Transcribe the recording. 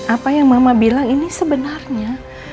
apa yang mama bilang ini sebenarnya